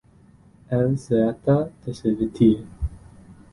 Elle se hâta de se vêtir.